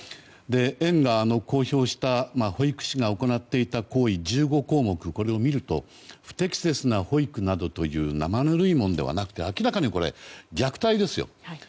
園が公表した保育士が行っていた行為１５項目を見ると不適切な保育などという生ぬるいものではなくて明らかにこれ、虐待ですよ。